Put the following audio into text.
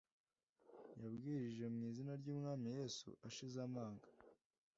yabwirije mu izina ry’Umwami Yesu ashize amanga